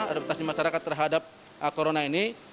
adaptasi masyarakat terhadap corona ini